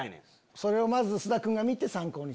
それまず菅田君が見て参考に。